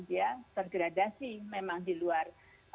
dia tergradasi memang di luar